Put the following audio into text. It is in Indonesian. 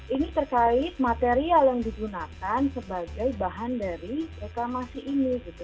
ini terkait material yang digunakan sebagai bahan dari reklamasi ini gitu